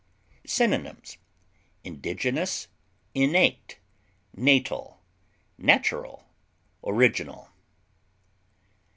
Synonyms: indigenous, innate, natal, natural, original.